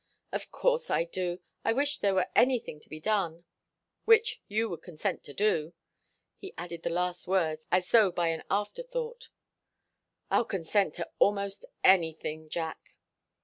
"Of course I do. I wish there were anything to be done which you would consent to do." He added the last words as though by an afterthought. "I'll consent to almost anything, Jack."